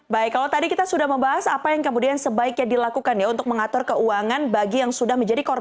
baik kalau tadi kita sudah membahas apa yang kemudian sebaiknya dilakukan ya untuk mengatur keuangan bagi yang sudah menjadi korban